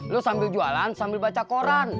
lo sambil jualan sambil baca koran